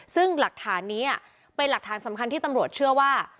ซึ่งหลักฐานนี้เป็นหลักฐานสำคัญที่ตำรวจเชื่อว่า